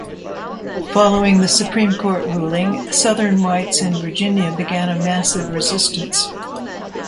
Following the Supreme Court ruling, Southern whites in Virginia began a Massive Resistance.